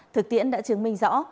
thực tiễn đã chứng minh rõ